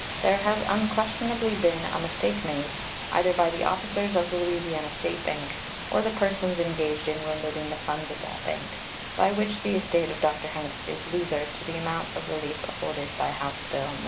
There has unquestionably been a mistake made, either by the officers of the Louisiana State Bank or the persons engaged in removing the funds of that bank, by which the estate of Dr. Hanks is loser to the amount of relief afforded by House bill No.